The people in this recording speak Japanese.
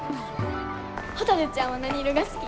ほたるちゃんは何色が好き？